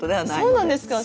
そうなんですか。